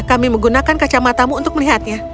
kami menggunakan kacamata mu untuk melihatnya